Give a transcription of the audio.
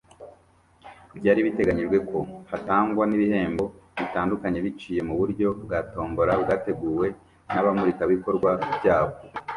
Byari biteganyijwe ko hatangwa n’ibihembo bitandukanye biciye mu buryo bwa tombola bwateguwe n’abamurika ibikorwa byabo